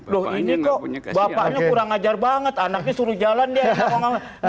loh ini kok bapaknya kurang ajar banget anaknya suruh jalan dia